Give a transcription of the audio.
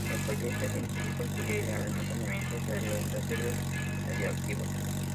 El proyecto científico estudia el almacenamiento de los residuos radioactivos.